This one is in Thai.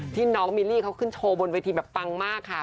น้องมิลลี่เขาขึ้นโชว์บนเวทีแบบปังมากค่ะ